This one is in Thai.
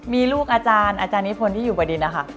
มีลูกอาจารย์อาจารย์นิพนธ์ที่อยู่บดินนะคะ